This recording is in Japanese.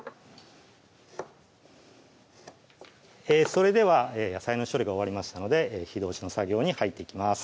それでは野菜の処理が終わりましたので火通しの作業に入っていきます